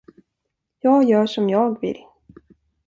Jag gör som jag vill.